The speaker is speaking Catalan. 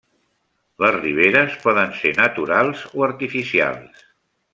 Les riberes poden ser naturals o artificials.